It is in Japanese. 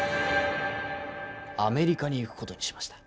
アメリカに行くことにしました。